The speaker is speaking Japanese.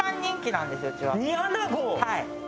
はい。